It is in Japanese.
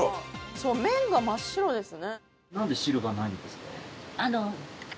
そう麺が真っ白ですね。